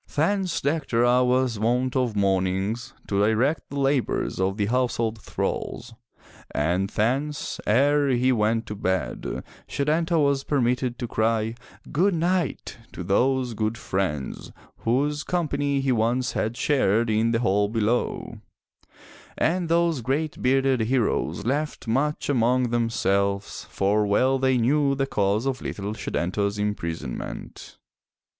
Thence Dectera was wont of mornings to direct the labors of the household thralls, and thence, ere he went to bed, Setanta was permitted to cry "Good night," to those good friends, whose company he once had shared in the hall below; and those great bearded heroes laughed much among themselves, for well they knew the cause of little Setanta's imprisonment.